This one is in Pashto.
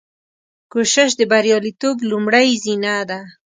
کوشش د بریالیتوب لومړۍ زینه ده.